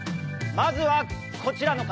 まずはこちらの方。